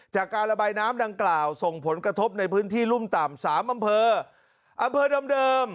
จากการระบายน้ำดังกล่าวส่งผลกระทบในพื้นที่รุ่มต่ำสามอำเภออำเภอเดิม